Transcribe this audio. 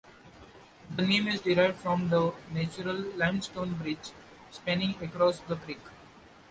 The name is derived from the natural limestone bridge spanning across the creek.